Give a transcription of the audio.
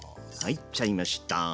入っちゃいました。